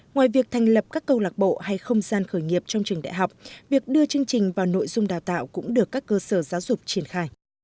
ngoài việc thành lập các câu lạc bộ hay không gian khởi nghiệp trong trường đại học việc đưa chương trình vào nội dung đào tạo cũng được các cơ sở giáo dục triển khai